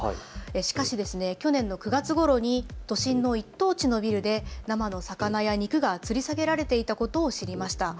しかし去年の９月ごろに都心の１等地のビルで生の魚や肉がつり下げられていたことを知りました。